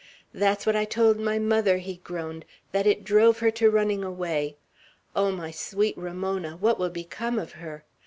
"That's what I told my mother!" he groaned, "that it drove her to running away! Oh, my sweet Ramona! what will become of her?